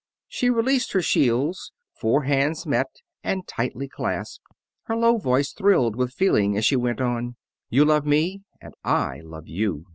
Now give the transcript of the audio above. She released her shields, four hands met and tightly clasped, and her low voice thrilled with feeling as she went on: "You love me and I love you.